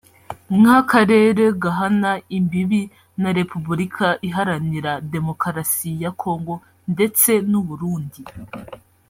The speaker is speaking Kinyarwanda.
nk’akarere gahana imbibi na Repubulika Iharanira Demokarasi ya Congo ndetse n’u Burundi